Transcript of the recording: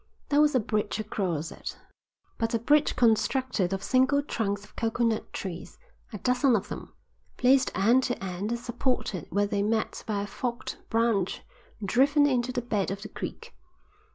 There was a bridge across it, but a bridge constructed of single trunks of coconut trees, a dozen of them, placed end to end and supported where they met by a forked branch driven into the bed of the creek.